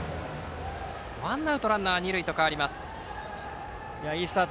ワンアウトランナー、二塁と変わりました。